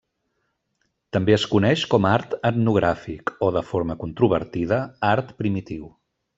També es coneix com a art etnogràfic, o, de forma controvertida, art primitiu.